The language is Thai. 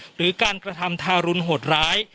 หรือการกระทำทารุณโหดร้าย